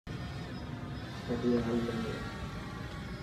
شادي هال ۾ هي.